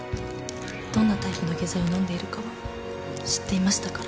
どんなタイプの下剤を飲んでいるかは知っていましたから。